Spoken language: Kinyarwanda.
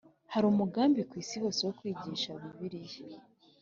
Hari umugambi ku isi hose wo kwigisha Bibiliya